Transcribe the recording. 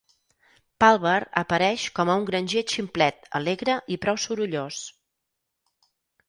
Palver apareix com a un granger ximplet, alegre i prou sorollós.